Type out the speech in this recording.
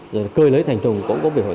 rồi là cơ lấy thành thùng cũng có biểu hiện